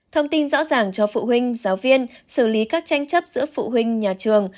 thông tin rõ ràng cho phụ huynh giáo viên xử lý các tranh chấp giữa phụ huynh nhà trường